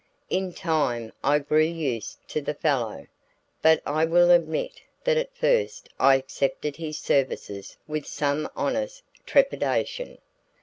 In time I grew used to the fellow, but I will admit that at first I accepted his services with some honest trepidation.